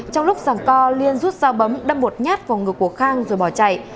trong lúc giảng co liên rút dao bấm đâm bột nhát vào ngực của khang rồi bỏ chạy